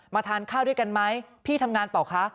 ทานข้าวด้วยกันไหมพี่ทำงานเปล่าคะ